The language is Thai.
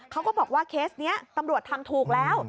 เขาก็บอกว่าเคสนี้ตำรวจทำถูกแล้ว